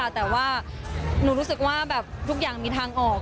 แต่ว่าหนูรู้สึกว่าแบบทุกอย่างมีทางออก